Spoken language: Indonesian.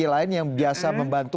lain yang biasa membantu